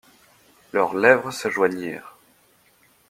Leurs lèvres se joignirent.